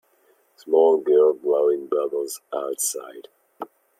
Small girl blowing bubbles outside.